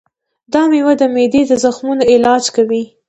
دا مېوه د معدې د زخمونو علاج کوي.